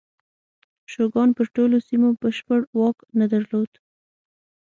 شوګان پر ټولو سیمو بشپړ واک نه درلود.